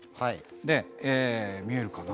で見えるかな？